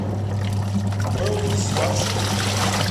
Ur awen-gezzmeɣ aksum-nwen.